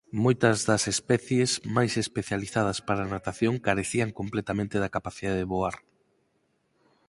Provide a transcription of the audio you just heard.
Moitas das especies máis especializadas para a natación carecían completamente da capacidade de voar.